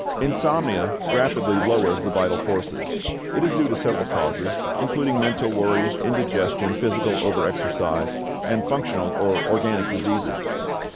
= Insomnia rapidly lowers the vital forces. It is due to several causes, including mental worry, indigestion, physical overexercise, and functional or organic diseases.